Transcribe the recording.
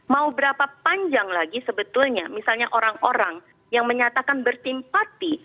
mau berapa panjang lagi sebetulnya misalnya orang orang yang menyatakan bersimpati